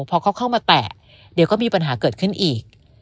พอเขาเข้ามาแตะเดี๋ยวก็มีปัญหาเกิดขึ้นอีก